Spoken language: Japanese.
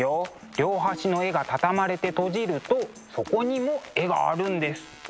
両端の絵が畳まれて閉じるとそこにも絵があるんです。